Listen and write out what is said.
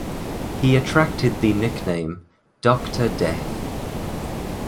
He attracted the nickname "Doctor Death".